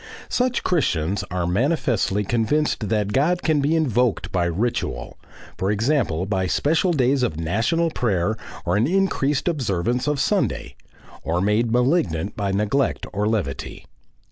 Such Christians are manifestly convinced that God can be invoked by ritual for example by special days of national prayer or an increased observance of Sunday or made malignant by neglect or levity.